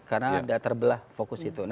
karena ada terbelah fokus itu